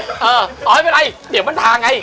เออเอาไม่เป็นไรเดี๋ยวมันทางไง